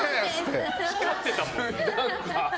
光ってたもん。